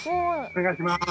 お願いします。